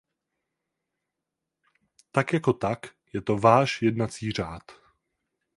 Tak jako tak je to váš jednací řád.